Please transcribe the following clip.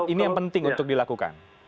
ini yang penting untuk dilakukan